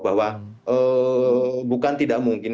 bahwa bukan tidak mungkin